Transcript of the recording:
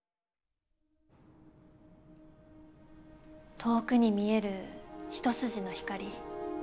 遠くに見える一筋の光。